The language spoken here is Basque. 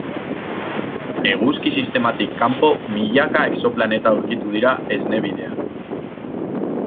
Eguzki-sistematik kanpo milaka exoplaneta aurkitu dira Esne Bidean.